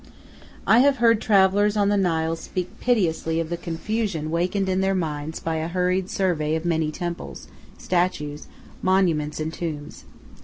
I have heard travelers on the Nile speak piteously of the confusion wakened in their minds by a hurried survey of many temples, statues, monuments, and tombs.